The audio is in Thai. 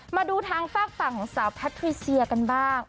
มาดูทางฝากฝั่งของสาวแพทริเซียกันบ้าง